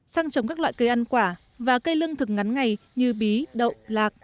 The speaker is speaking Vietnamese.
sang trồng các loại cây ăn quả và cây lương thực ngắn ngày như bí đậu lạc